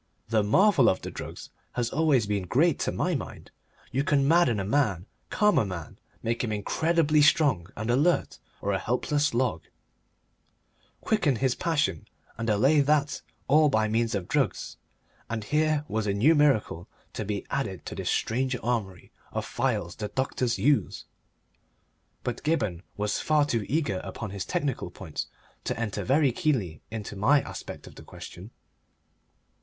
The marvel of drugs has always been great to my mind; you can madden a man, calm a man, make him incredibly strong and alert or a helpless log, quicken this passion and allay that, all by means of drugs, and here was a new miracle to be added to this strange armoury of phials the doctors use! But Gibberne was far too eager upon his technical points to enter very keenly into my aspect of the question.